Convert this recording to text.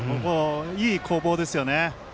いい攻防ですよね。